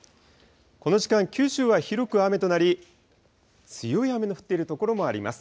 この時間、九州は広く雨となり、強い雨の降っている所もあります。